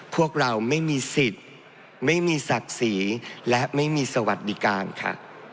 พวกเราไม่มีสิทธิ์ไม่มีศักดิ์ศรีและไม่มีสวัสดิการค่ะ